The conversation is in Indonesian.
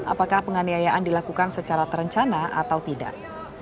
apakah penganiayaan dilakukan secara terencana atau tidak